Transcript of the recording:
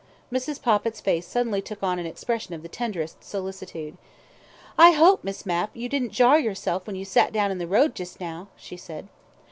Mrs. Poppit's face suddenly took on an expression of the tenderest solicitude. "I hope, Miss Mapp, you didn't jar yourself when you sat down in the road just now," she said.